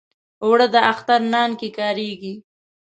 اوړه د اختر نان کې کارېږي